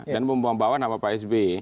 dan membawa bawa nama pak s b